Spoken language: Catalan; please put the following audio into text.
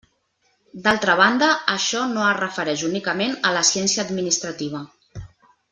D'altra banda, això no es refereix únicament a la ciència administrativa.